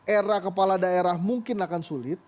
era kepala daerah mungkin akan sulit